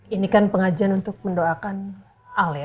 ini kan pengajian untuk mendoakan al ya